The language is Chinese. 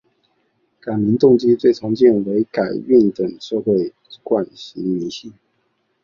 改名动机最常见为改运等社会惯习迷信。